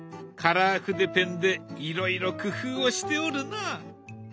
カラー筆ペンでいろいろ工夫をしておるな！